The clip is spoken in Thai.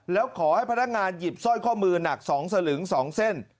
แล้วขอให้พนักงานหยิบสร้อยข้อมือหนัก๒สลึง๒เส้น